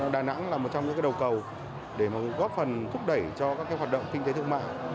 đà nẵng là một trong những đầu cầu để góp phần thúc đẩy cho các hoạt động kinh tế thương mại